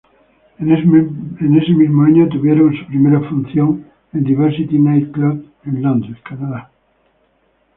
En ese mismo año tuvieron su primera función en Diversity Nightclub en Londres, Canadá.